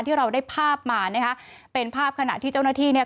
ที่เราได้ภาพมานะคะเป็นภาพขณะที่เจ้าหน้าที่เนี่ย